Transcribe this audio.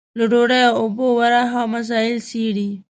له ډوډۍ او اوبو ورها مسايل څېړي.